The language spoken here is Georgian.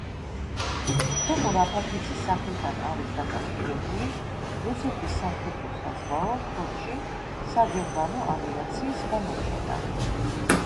თემურ აფაქიძის სახელთან არის დაკავშირებული რუსეთის სამხედრო-საზღვაო ფლოტში საგემბანო ავიაციის გამოჩენა.